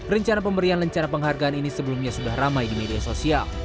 rencana pemberian lencana penghargaan ini sebelumnya sudah ramai di media sosial